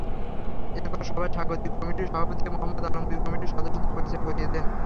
এরপর সভায় স্বাগতিক কমিটির সভাপতি মোহাম্মদ আলমগীর কমিটির সদস্যদের পরিচয় করিয়ে দেন।